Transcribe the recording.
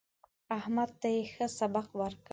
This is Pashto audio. احمد ته يې ښه سبق ورکړ.